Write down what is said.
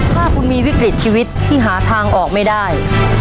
ถ้าคุณมีวิกฤตชีวิตที่หาทางออกไม่ได้